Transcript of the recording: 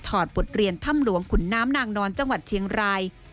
อดบทเรียนถ้ำหลวงขุนน้ำนางนอนจังหวัดเชียงราย